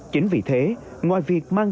chính vì thế ngoài việc mang